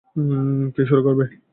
কে শুরু করবে?